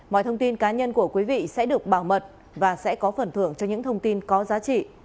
mọi thông tin cá nhân của quý vị sẽ được bảo mật và sẽ có phần thưởng cho những thông tin có giá trị